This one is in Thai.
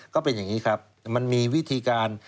ก็เป็นอย่างนี้ครับมันมีวิธีการ